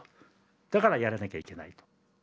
だからやらなきゃいけないと。